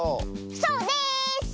そうです！